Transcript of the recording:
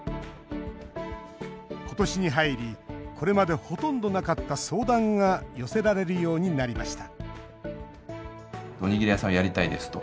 今年に入り、これまでほとんどなかった相談が寄せられるようになりました